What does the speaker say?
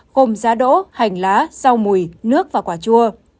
gồm giá đỗ hành lá rau mùi nước và quả chua